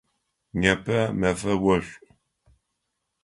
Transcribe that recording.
Непэ мэфэ ошӏу.